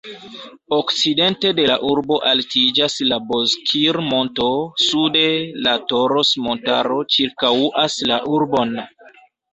Okcidente de la urbo altiĝas la Bozkir-monto, sude la Toros-montaro ĉirkaŭas la urbon.